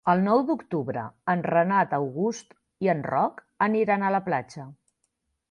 El nou d'octubre en Renat August i en Roc aniran a la platja.